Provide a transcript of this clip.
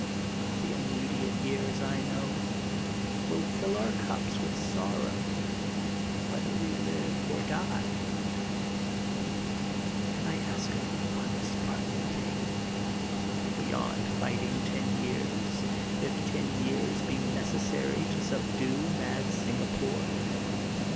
The immediate years, I know, will fill our l^HE GOLDEN BOOK OF SPRINGFIELD 276 cups Vith sorrow whether we live or die. But I ask of yon one Spartan thing, beyond fight ing ten years— if ten years be necessary to subdue mad Singapore.